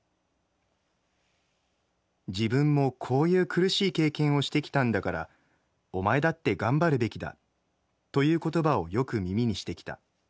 『自分もこういう苦しい経験をしてきたんだからお前だって頑張るべきだ』という言葉をよく耳にしてきた。